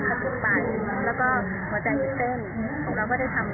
สวัสดีครับ